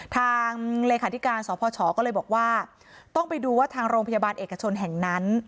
ทางเลขาธิการสพชก็เลยบอกว่าต้องไปดูว่าทางโรงพยาบาลเอกชนแห่งนั้น